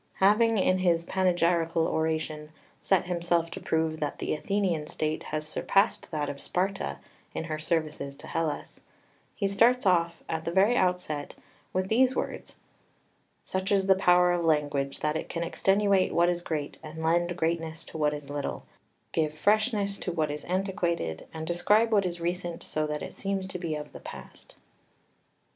Having in his Panegyrical Oration set himself to prove that the Athenian state has surpassed that of Sparta in her services to Hellas, he starts off at the very outset with these words: "Such is the power of language that it can extenuate what is great, and lend greatness to what is little, give freshness to what is antiquated, and describe what is recent so that it seems to be of the past."